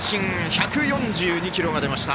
１４２キロが出ました！